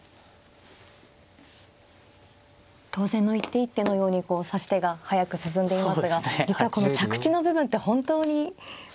当然の一手一手のように指し手が速く進んでいますが実はこの着地の部分って本当に難しくて。